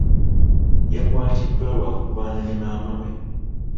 Yakwatiddwa lwa kulwana ne maama we.